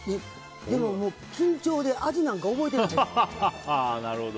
でも、緊張で味なんか覚えてない。